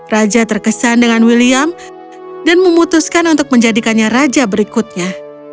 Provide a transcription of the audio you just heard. raja terkesan dengan william dan memutuskan untuk menjadikannya raja berikutnya